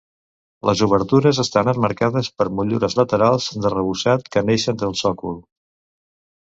Les obertures estan emmarcades per motllures laterals d'arrebossat que neixen del sòcol.